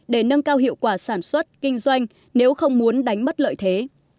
để nâng cao hiệu quả sản xuất kinh doanh nếu không muốn đánh mất lợi thế